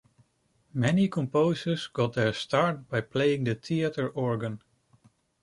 Many composers got their start by playing the theatre organ.